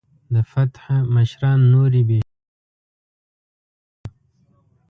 د فتح مشران نورې بې شمېره کمزورتیاوې هم لري.